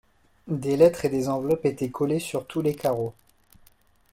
Des lettres et des enveloppes étaient collées sur tous les carreaux.